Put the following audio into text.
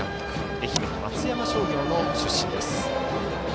愛媛の松山商業の出身。